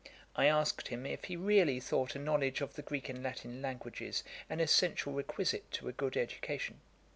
I asked him if he really thought a knowledge of the Greek and Latin languages an essential requisite to a good education.